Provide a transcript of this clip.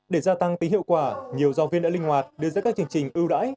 để gia tăng tính hiệu quả nhiều giáo viên đã linh hoạt đưa ra các chương trình ưu đãi